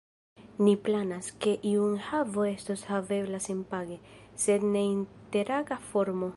Ni planas, ke iu enhavo estos havebla senpage, sed en ne-interaga formo.